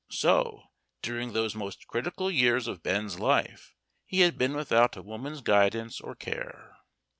So during those most critical years of Ben's life, he had been without a woman's guidance or care.